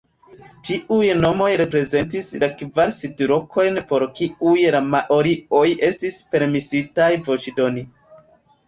Tiuj nomoj reprezentis la kvar sidlokojn por kiuj la maorioj estis permesitaj voĉdoni.